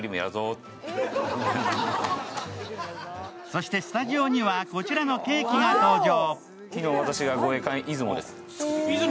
そして、スタジオにはこちらのケーキが登場。